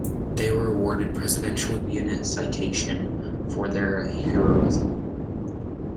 They were awarded the Presidential Unit Citation for their heroism.